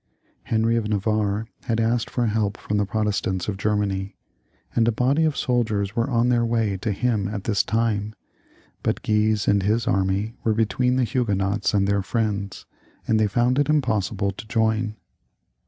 Henry of Navarre had asked for help from the Pro XXXIX.] HENRY IIL 291 testants of Grennany, and a body of soldiers were on their way to him at this time, but Guise and his army were between the Huguenots and their friends, and they found it impossible to join.